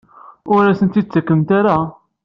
Ur as-tent-id-tettakemt ara?